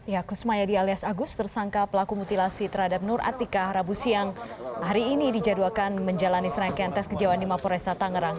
ya kusmayadi alias agus tersangka pelaku mutilasi terhadap nur atika rabu siang hari ini dijadwalkan menjalani serangkaian tes kejiwaan di mapo resta tangerang